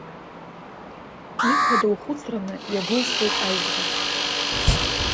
Ихадоу хәыцраны иагәылсуеит аизга.